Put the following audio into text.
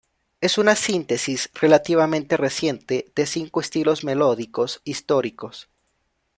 Es una síntesis relativamente reciente de cinco estilos melódicos históricos.